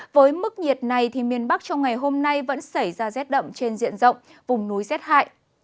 với mức nhiệt này miền bắc trong ngày hôm nay vẫn xảy ra rét đậm trên diện rộng vùng núi rét hại